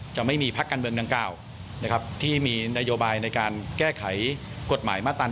จะไม่มีพักการเมืองดังเก่าที่มีนโยบายในการแก้ไขกฎหมายมาตรตาม๑๑๒